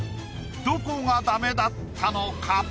どこがダメだったのか？